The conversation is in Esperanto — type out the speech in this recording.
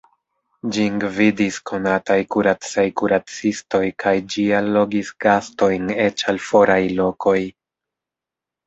Ĝin gvidis konataj kuracej-kuracistoj kaj ĝi allogis gastojn eĉ el foraj lokoj.